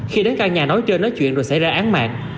khi đến căn nhà nói trên nói chuyện rồi xảy ra án mạng